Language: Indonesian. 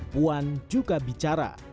puan juga bicara